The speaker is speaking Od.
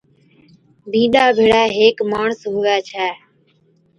بِينڏا ڀيڙي ھيڪ ماڻس ھُوي ڇَي